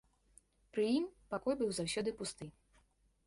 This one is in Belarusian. Пры ім пакой быў заўсёды пусты.